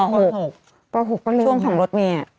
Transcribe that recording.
ป๖ก็เร็วช่วงของรถเมีย